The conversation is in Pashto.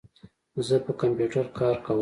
زه په کمپیوټر کار کوم.